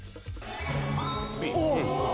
Ｂ？